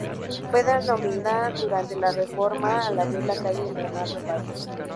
Fue demolida durante la reforma al abrir la calle Leandro Valle.